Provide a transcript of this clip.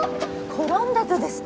転んだとです。